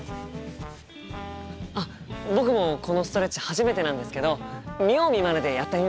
あっ僕もこのストレッチ初めてなんですけど見よう見まねでやってみます。